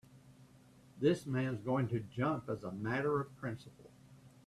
This man's going to jump as a matter of principle.